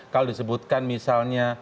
kalau disebutkan misalnya